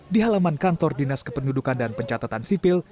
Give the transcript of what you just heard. di halaman kantor dinas kependudukan dan pencatatan sipil